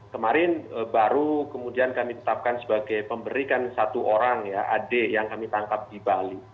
kemarin baru kemudian kami tetapkan sebagai pemberi kan satu orang ya adik yang kami tangkap di bali